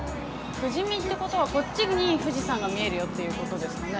富士見ってことはこっちに富士山が見えるよってことですかね。